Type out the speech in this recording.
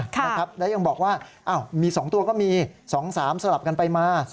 และยังบอกว่าอ้าวมี๒ตัวก็มี๒สลับไปมา